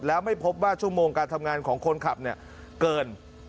แล้วไม่พบว่าชั่วโมงการทำงานของคนขับเนี่ยเกิน